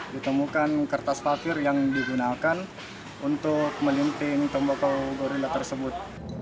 ditemukan kertas papir yang digunakan untuk melinting tembakau gorilla tersebut